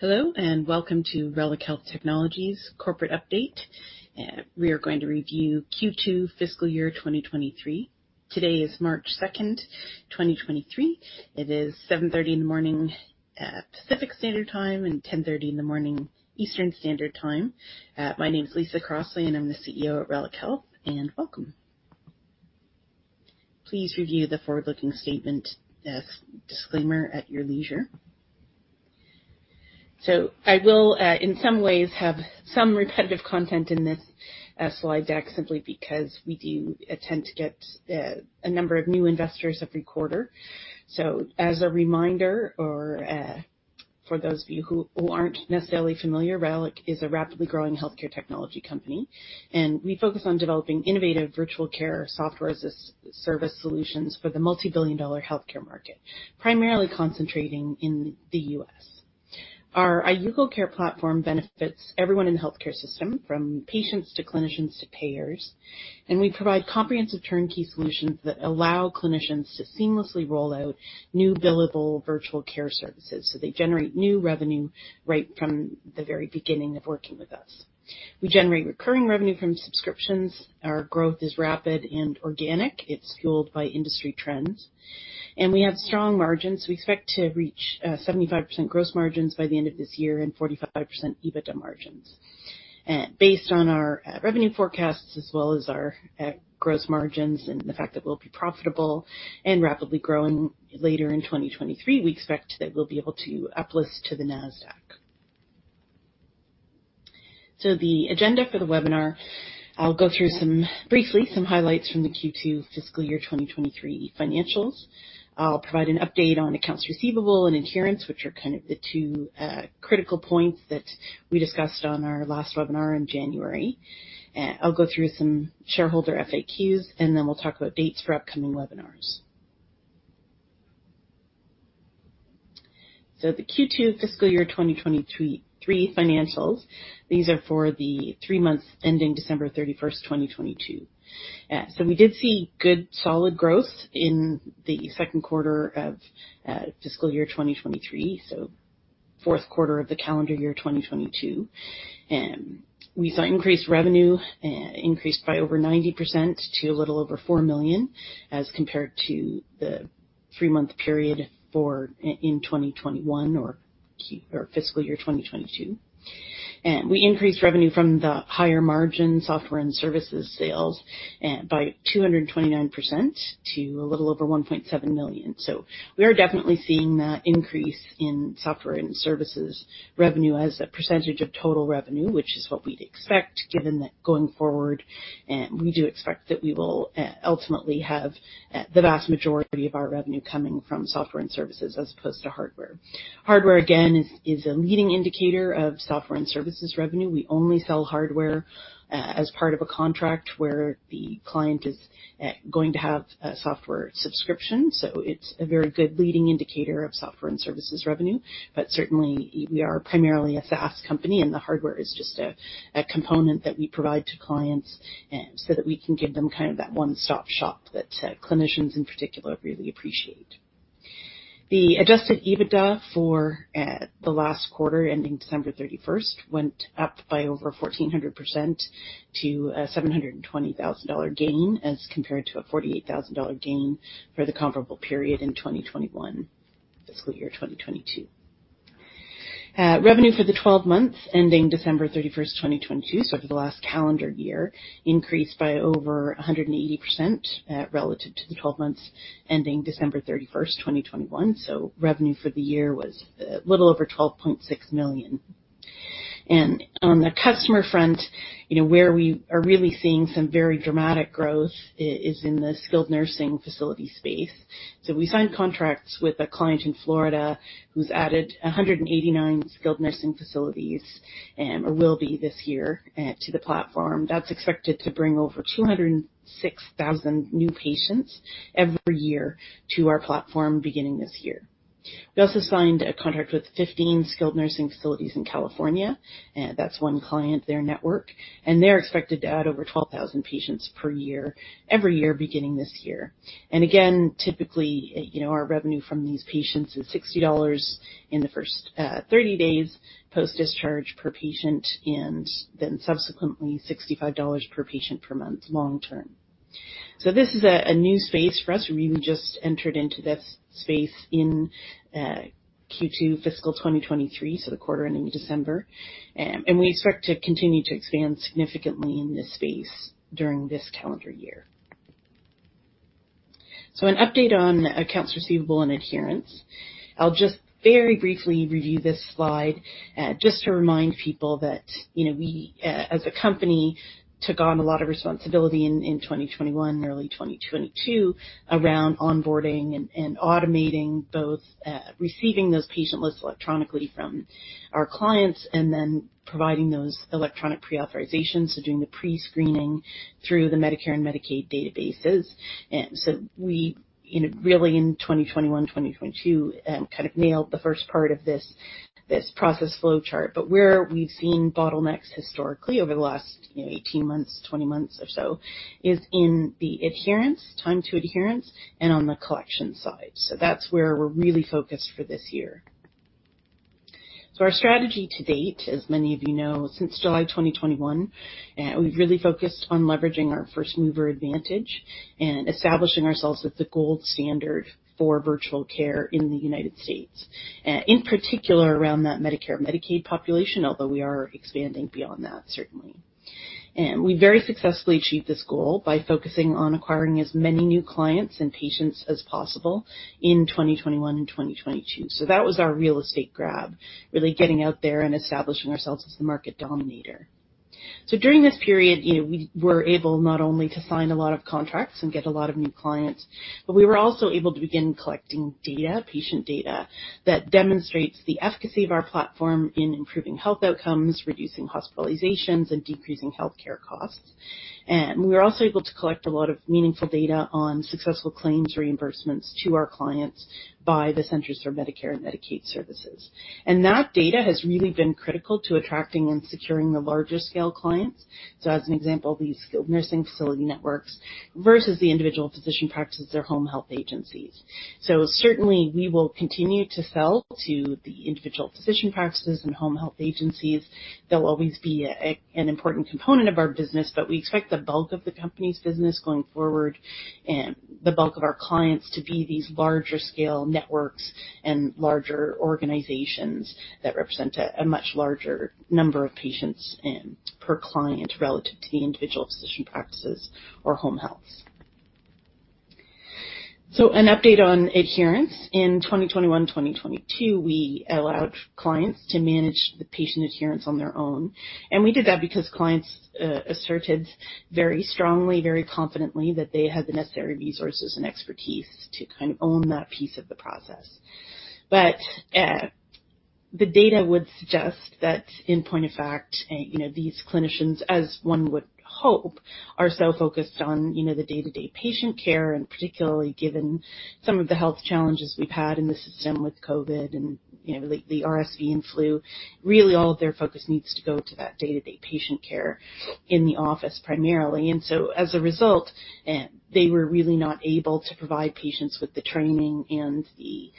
Hello, welcome to Reliq Health Technologies corporate update. We are going to review Q2 fiscal year 2023. Today is March second, 2023. It is 7:30 in the morning at Pacific Standard Time and 10:30 in the morning Eastern Standard Time. My name is Lisa Crossley, and I'm the CEO at Reliq Health. Welcome. Please review the forward-looking statement disclaimer at your leisure. I will, in some ways have some repetitive content in this slide deck, simply because we do tend to get a number of new investors every quarter. As a reminder, or, for those of you who aren't necessarily familiar, Reliq is a rapidly growing healthcare technology company, and we focus on developing innovative virtual care software as a service solutions for the multi-billion dollar healthcare market, primarily concentrating in the U.S. Our iUGO Care platform benefits everyone in the healthcare system, from patients to clinicians to payers. We provide comprehensive turnkey solutions that allow clinicians to seamlessly roll out new billable virtual care services, so they generate new revenue right from the very beginning of working with us. We generate recurring revenue from subscriptions. Our growth is rapid and organic. It's fueled by industry trends. We have strong margins. We expect to reach 75% gross margins by the end of this year and 45% EBITDA margins. Based on our revenue forecasts as well as our gross margins and the fact that we'll be profitable and rapidly growing later in 2023, we expect that we'll be able to uplist to the Nasdaq. The agenda for the webinar, I'll go through briefly some highlights from the Q2 fiscal year 2023 financials. I'll provide an update on accounts receivable and adherence, which are kind of the two critical points that we discussed on our last webinar in January. I'll go through some shareholder FAQs, and then we'll talk about dates for upcoming webinars. The Q2 fiscal year 2023 financials. These are for the three months ending December 31st, 2022. We did see good solid growth in the second quarter of fiscal year 2023, so fourth quarter of the calendar year, 2022. We saw increased revenue, increased by over 90% to a little over $4 million, as compared to the three-month period in 2021 or fiscal year 2022. We increased revenue from the higher margin software and services sales by 229% to a little over $1.7 million. We are definitely seeing that increase in software and services revenue as a percentage of total revenue, which is what we'd expect, given that going forward, we do expect that we will ultimately have the vast majority of our revenue coming from software and services as opposed to hardware. Hardware, again, is a leading indicator of software and services revenue. We only sell hardware as part of a contract where the client is going to have a software subscription. It's a very good leading indicator of software and services revenue. Certainly we are primarily a SaaS company, and the hardware is just a component that we provide to clients so that we can give them kind of that one-stop shop that clinicians in particular really appreciate. The adjusted EBITDA for the last quarter ending December 31st, went up by over 1,400% to a $720,000 gain, as compared to a $48,000 gain for the comparable period in 2021, fiscal year 2022. Revenue for the 12 months ending December 31st, 2022, so for the last calendar year, increased by over 180% relative to the 12 months ending December 31st, 2021. Revenue for the year was a little over $12.6 million. On the customer front, you know, where we are really seeing some very dramatic growth is in the skilled nursing facility space. We signed contracts with a client in Florida who's added 189 skilled nursing facilities, or will be this year, to the platform. That's expected to bring over 206,000 new patients every year to our platform beginning this year. We also signed a contract with 15 skilled nursing facilities in California. That's one client, their network, and they're expected to add over 12,000 patients per year every year, beginning this year. Typically, you know, our revenue from these patients is $60 in the first 30 days post-discharge per patient and then subsequently $65 per patient per month long term. This is a new space for us. We really just entered into this space in Q2 fiscal 2023, so the quarter ending December. We expect to continue to expand significantly in this space during this calendar year. An update on accounts receivable and adherence. I'll just very briefly review this slide, just to remind people that, you know, we as a company took on a lot of responsibility in 2021 and early 2022 around onboarding and automating both, receiving those patient lists electronically from our clients and then providing those electronic pre-authorizations, so doing the pre-screening through the Medicare and Medicaid databases. We, you know, really in 2021, 2022, kind of nailed the first part of this process flowchart. Where we've seen bottlenecks historically over the last, you know, 18 months, 20 months or so, is in the adherence, time to adherence, and on the collection side. That's where we're really focused for this year. Our strategy to date, as many of you know, since July 2021, we've really focused on leveraging our first mover advantage and establishing ourselves as the gold standard for virtual care in the United States, in particular around that Medicare/Medicaid population, although we are expanding beyond that, certainly. We very successfully achieved this goal by focusing on acquiring as many new clients and patients as possible in 2021 and 2022. That was our real estate grab, really getting out there and establishing ourselves as the market dominator. During this period, you know, we were able not only to sign a lot of contracts and get a lot of new clients, but we were also able to begin collecting data, patient data, that demonstrates the efficacy of our platform in improving health outcomes, reducing hospitalizations, and decreasing healthcare costs. We were also able to collect a lot of meaningful data on successful claims reimbursements to our clients by the Centers for Medicare and Medicaid Services. That data has really been critical to attracting and securing the larger scale clients. As an example, the skilled nursing facility networks versus the individual physician practices their home health agencies. Certainly, we will continue to sell to the individual physician practices and home health agencies. They'll always be an important component of our business, but we expect the bulk of the company's business going forward and the bulk of our clients to be these larger scale networks and larger organizations that represent a much larger number of patients and per client relative to the individual physician practices or home health. An update on adherence. In 2021, 2022, we allowed clients to manage the patient adherence on their own. We did that because clients asserted very strongly, very confidently that they had the necessary resources and expertise to kind of own that piece of the process. The data would suggest that in point of fact, you know, these clinicians, as one would hope, are so focused on, you know, the day-to-day patient care, and particularly given some of the health challenges we've had in the system with COVID and, you know, the RSV and flu. Really, all of their focus needs to go to that day-to-day patient care in the office primarily. As a result, they were really not able to provide patients with the training and the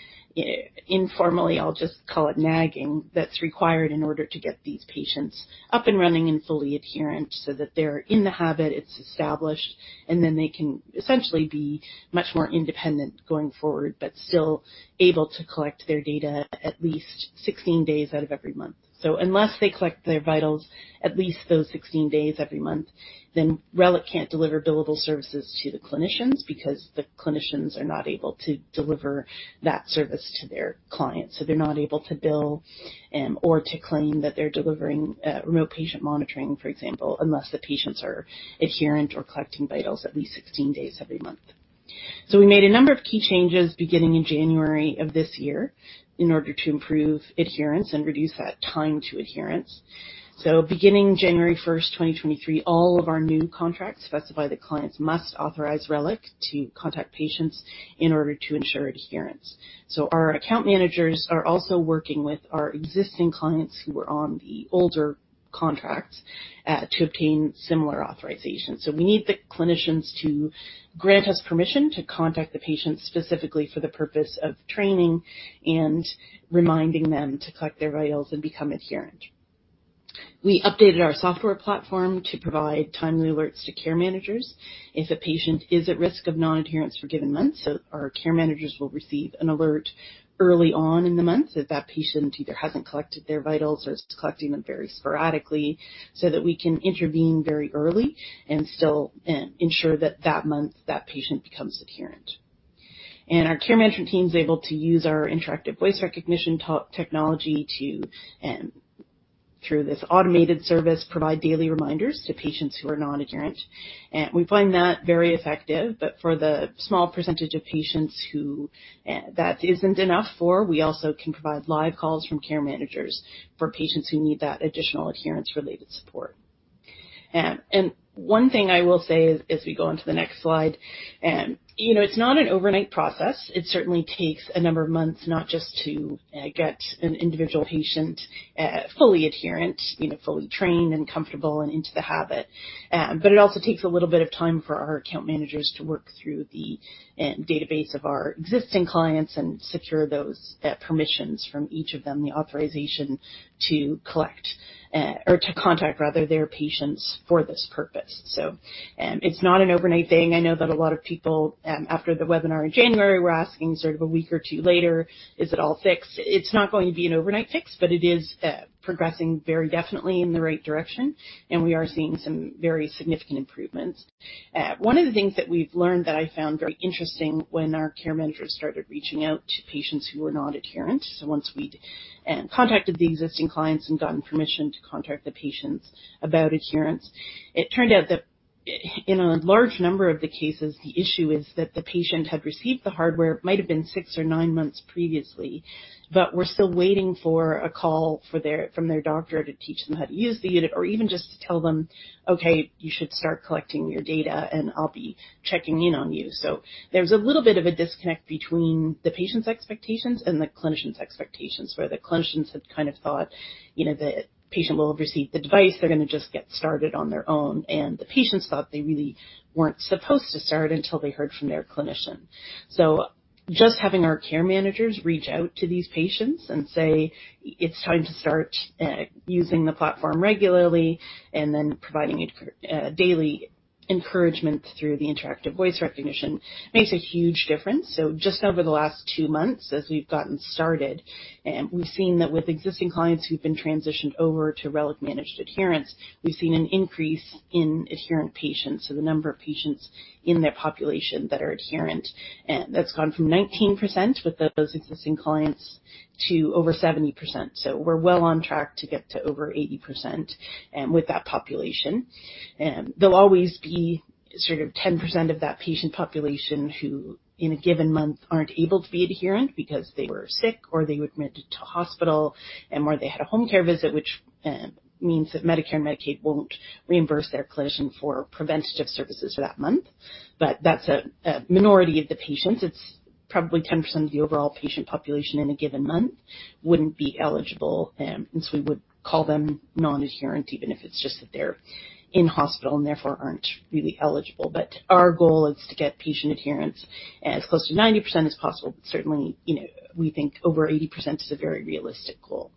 informally, I'll just call it nagging, that's required in order to get these patients up and running and fully adherent so that they're in the habit, it's established, and then they can essentially be much more independent going forward, but still able to collect their data at least 16 days out of every month. Unless they collect their vitals at least those 16 days every month, then Reliq can't deliver billable services to the clinicians because the clinicians are not able to deliver that service to their clients. They're not able to bill, or to claim that they're delivering, real patient monitoring, for example, unless the patients are adherent or collecting vitals at least 16 days every month. We made a number of key changes beginning in January of this year in order to improve adherence and reduce that time to adherence. Beginning January 1, 2023, all of our new contracts specify the clients must authorize Reliq to contact patients in order to ensure adherence. Our account managers are also working with our existing clients who are on the older contracts, to obtain similar authorization. We need the clinicians to grant us permission to contact the patients specifically for the purpose of training and reminding them to collect their vitals and become adherent. We updated our software platform to provide timely alerts to care managers. If a patient is at risk of non-adherence for a given month, our care managers will receive an alert early on in the month if that patient either hasn't collected their vitals or is collecting them very sporadically, so that we can intervene very early and still ensure that that month, that patient becomes adherent. Our care management team is able to use our interactive voice response technology to, through this automated service, provide daily reminders to patients who are non-adherent. We find that very effective. For the small percentage of patients who that isn't enough for, we also can provide live calls from care managers for patients who need that additional adherence-related support. One thing I will say as we go on to the next slide, you know, it's not an overnight process. It certainly takes a number of months not just to get an individual patient fully adherent, you know, fully trained and comfortable and into the habit. It also takes a little bit of time for our account managers to work through the database of our existing clients and secure those permissions from each of them, the authorization to collect or to contact rather, their patients for this purpose. It's not an overnight thing. I know that a lot of people, after the webinar in January were asking sort of a week or two later, "Is it all fixed?" It's not going to be an overnight fix, but it is progressing very definitely in the right direction. We are seeing some very significant improvements. One of the things that we've learned that I found very interesting when our care managers started reaching out to patients who were not adherent. Once we'd contacted the existing clients and gotten permission to contact the patients about adherence, it turned out that in a large number of the cases, the issue is that the patient had received the hardware, might have been six or nine months previously, but were still waiting for a call from their doctor to teach them how to use the unit or even just to tell them, "Okay, you should start collecting your data, and I'll be checking in on you." There's a little bit of a disconnect between the patient's expectations and the clinician's expectations, where the clinicians had kind of thought, you know, the patient will receive the device, they're gonna just get started on their own. The patients thought they really weren't supposed to start until they heard from their clinician. Just having our care managers reach out to these patients and say, "It's time to start using the platform regularly," and then providing it daily encouragement through the interactive voice response makes a huge difference. Just over the last two months, as we've gotten started, and we've seen that with existing clients who've been transitioned over to Reliq Managed Adherence, we've seen an increase in adherent patients. The number of patients in their population that are adherent, and that's gone from 19% with those existing clients to over 70%. We're well on track to get to over 80% with that population. There'll always be sort of 10% of that patient population who in a given month aren't able to be adherent because they were sick or they were admitted to hospital, and where they had a home care visit, which means that Medicare and Medicaid won't reimburse their clinician for preventative services for that month. That's a minority of the patients. It's probably 10% of the overall patient population in a given month wouldn't be eligible, since we would call them non-adherent, even if it's just that they're in hospital and therefore aren't really eligible. Our goal is to get patient adherence as close to 90% as possible. Certainly, you know, we think over 80% is a very realistic goal.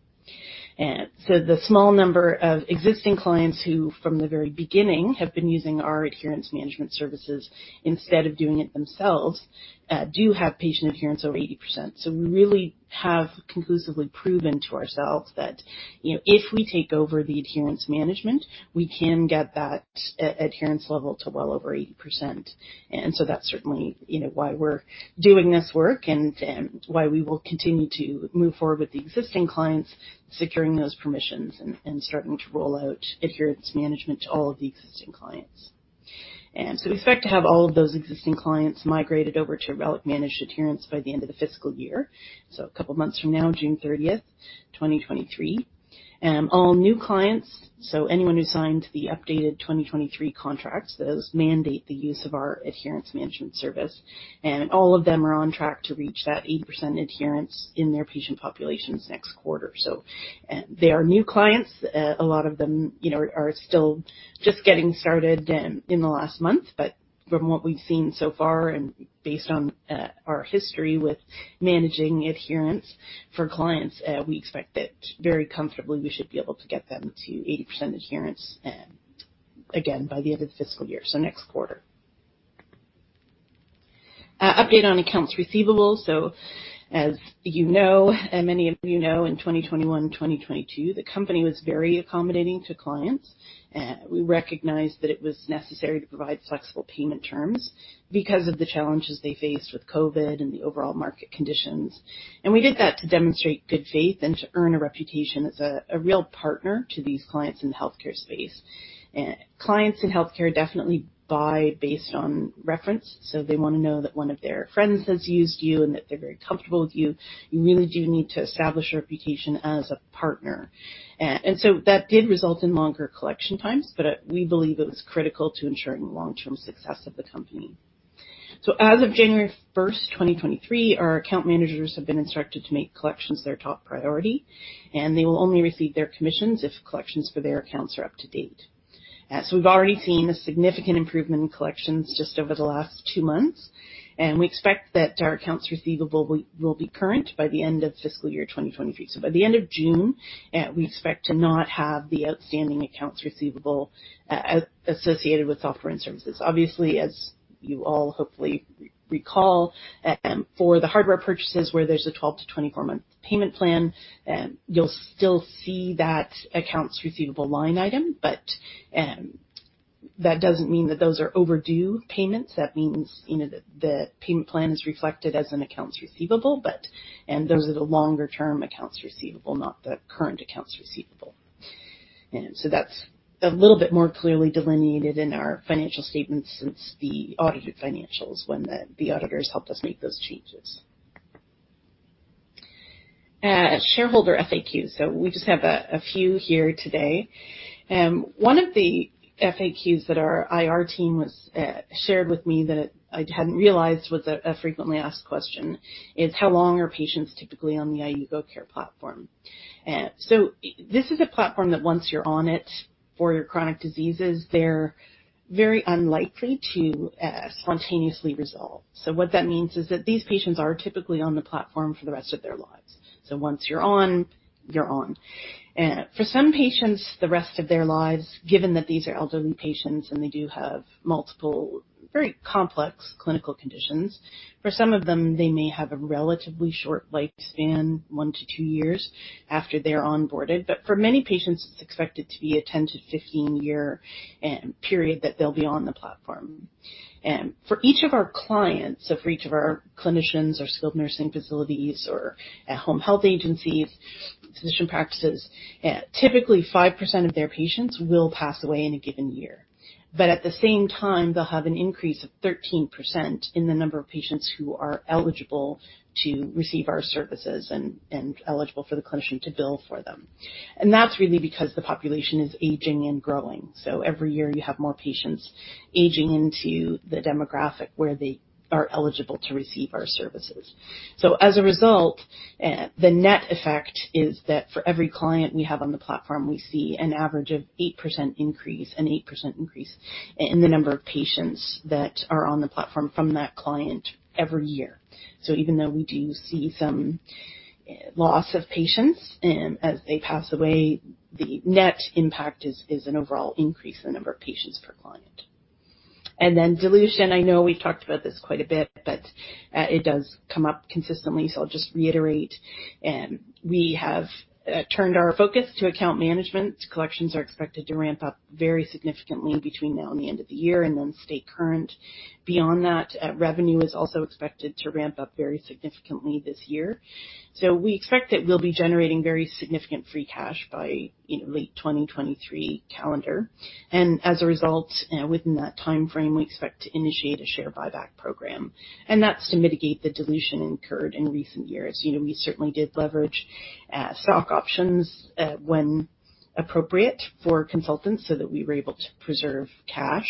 The small number of existing clients who from the very beginning have been using our adherence management services instead of doing it themselves, do have patient adherence over 80%. We really have conclusively proven to ourselves that, you know, if we take over the adherence management, we can get that adherence level to well over 80%. That's certainly, you know, why we're doing this work and why we will continue to move forward with the existing clients, securing those permissions and starting to roll out adherence management to all of the existing clients. We expect to have all of those existing clients migrated over to Reliq Managed Adherence by the end of the fiscal year. A couple months from now, June 30, 2023. All new clients, so anyone who signed the updated 2023 contracts, those mandate the use of our adherence management service, and all of them are on track to reach that 80% adherence in their patient populations next quarter. They are new clients. A lot of them, you know, are still just getting started in the last month. From what we've seen so far, and based on our history with managing adherence for clients, we expect that very comfortably, we should be able to get them to 80% adherence, again, by the end of the fiscal year, next quarter. Update on accounts receivable. As you know, and many of you know, in 2021, 2022, the company was very accommodating to clients. We recognized that it was necessary to provide flexible payment terms because of the challenges they faced with COVID and the overall market conditions. We did that to demonstrate good faith and to earn a reputation as a real partner to these clients in the healthcare space. Clients in healthcare definitely buy based on reference, so they wanna know that one of their friends has used you and that they're very comfortable with you. You really do need to establish a reputation as a partner. That did result in longer collection times, but we believe it was critical to ensuring the long-term success of the company. As of January 1, 2023, our account managers have been instructed to make collections their top priority, and they will only receive their commissions if collections for their accounts are up to date. We've already seen a significant improvement in collections just over the last two months, and we expect that our accounts receivable will be current by the end of fiscal year 2023. By the end of June, we expect to not have the outstanding accounts receivable associated with software and services. Obviously, as you all hopefully recall, for the hardware purchases where there's a 12-24 month payment plan, you'll still see that accounts receivable line item. That doesn't mean that those are overdue payments. That means, you know, the payment plan is reflected as an accounts receivable, but, and those are the longer-term accounts receivable, not the current accounts receivable. That's a little bit more clearly delineated in our financial statements since the audited financials when the auditors helped us make those changes. Shareholder FAQs. We just have a few here today. One of the FAQs that our IR team was shared with me that I hadn't realized was a frequently asked question is how long are patients typically on the iUGO Care platform? This is a platform that once you're on it for your chronic diseases, they're very unlikely to spontaneously resolve. What that means is that these patients are typically on the platform for the rest of their lives. Once you're on, you're on. For some patients, the rest of their lives, given that these are elderly patients and they do have multiple very complex clinical conditions, for some of them they may have a relatively short lifespan, one to two years after they're onboarded. For many patients it's expected to be a 10-15 year period that they'll be on the platform. For each of our clients, so for each of our clinicians or skilled nursing facilities or at-home health agencies, physician practices, typically 5% of their patients will pass away in a given year. At the same time, they'll have an increase of 13% in the number of patients who are eligible to receive our services and eligible for the clinician to bill for them. That's really because the population is aging and growing. Every year you have more patients aging into the demographic where they are eligible to receive our services. As a result, the net effect is that for every client we have on the platform, we see an average of an 8% increase in the number of patients that are on the platform from that client every year. Even though we do see some loss of patients. As they pass away, the net impact is an overall increase in the number of patients per client. Dilution. I know we've talked about this quite a bit, but it does come up consistently, so I'll just reiterate. We have turned our focus to account management. Collections are expected to ramp up very significantly between now and the end of the year and then stay current. Beyond that, revenue is also expected to ramp up very significantly this year. We expect that we'll be generating very significant free cash by, you know, late 2023 calendar. As a result, within that timeframe, we expect to initiate a share buyback program. That's to mitigate the dilution incurred in recent years. You know, we certainly did leverage stock options when appropriate for consultants so that we were able to preserve cash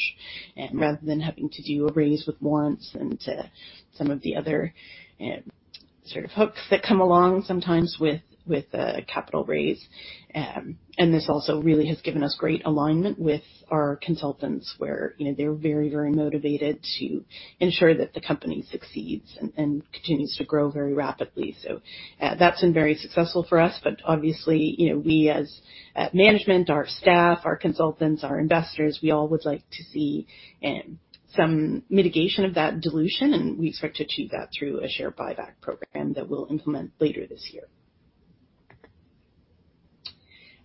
rather than having to do a raise with warrants and some of the other sort of hooks that come along sometimes with a capital raise. This also really has given us great alignment with our consultants where, you know, they're very, very motivated to ensure that the company succeeds and continues to grow very rapidly. That's been very successful for us. Obviously, you know, we as management, our staff, our consultants, our investors, we all would like to see some mitigation of that dilution, and we expect to achieve that through a share buyback program that we'll implement later this year.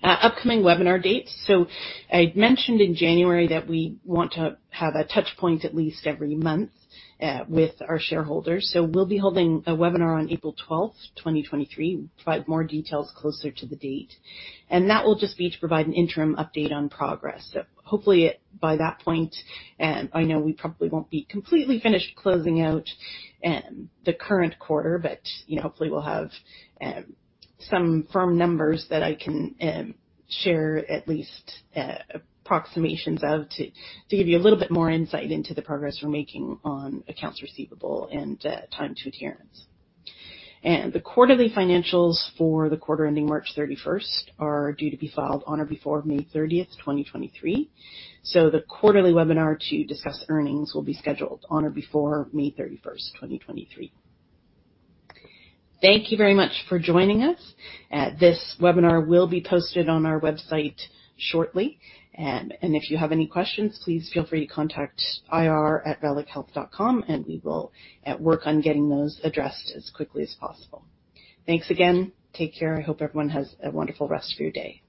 Upcoming webinar dates. I'd mentioned in January that we want to have a touch point at least every month with our shareholders. We'll be holding a webinar on April 12th, 2023. We'll provide more details closer to the date. That will just be to provide an interim update on progress. Hopefully by that point, and I know we probably won't be completely finished closing out the current quarter, but, you know, hopefully we'll have some firm numbers that I can share at least approximations of to give you a little bit more insight into the progress we're making on accounts receivable and time to adherence. The quarterly financials for the quarter ending March 31st are due to be filed on or before May 30th, 2023. The quarterly webinar to discuss earnings will be scheduled on or before May 31st, 2023. Thank you very much for joining us. This webinar will be posted on our website shortly. If you have any questions, please feel free to contact ir@reliqhealth.com, and we will work on getting those addressed as quickly as possible. Thanks again. Take care. I hope everyone has a wonderful rest of your day.